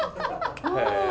へえ。